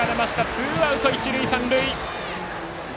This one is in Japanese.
ツーアウト、一塁三塁。